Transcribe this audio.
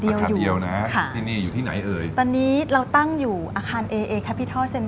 ปีที่๔แล้วค่ะว่ามีต้นผู้ชายอยู่มาต่อเนื่อง